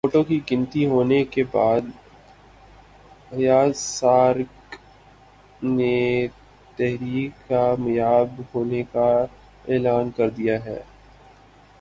ووٹوں کی گنتی ہونے کے بعد ایاز صادق نے تحریک کامیاب ہونے کا اعلان کر دیا ہے